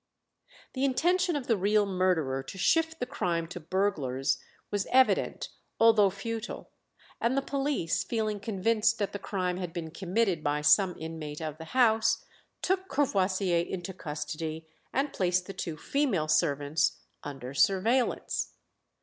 The intention of the real murderer to shift the crime to burglars was evident although futile, and the police, feeling convinced that the crime had been committed by some inmate of the house, took Courvoisier into custody, and placed the two female servants under surveillance.